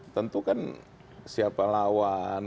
tentu kan siapa lawan